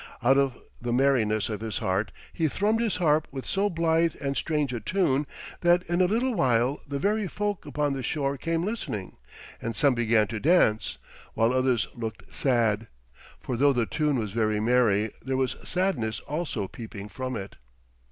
Out of the merriness of his heart he thrummed his harp with so blithe and strange a tune that in a little while the very folk upon the shore came listening, and some began to dance, while others looked sad. For though the tune was very merry, there was sadness also peeping from it.